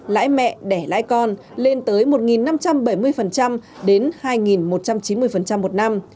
lãi mẹ đẻ lãi con lên tới một năm trăm bảy mươi đến hai một trăm chín mươi một năm